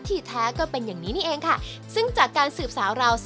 ที่แท้ก็เป็นอย่างนี้นี่เองค่ะซึ่งจากการสืบสาวราว